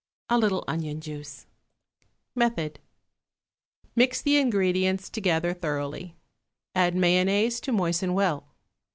A little onion juice. Method. Mix the ingredients together thoroughly; add mayonnaise to moisten well.